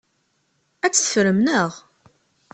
Ad tt-teffrem, naɣ?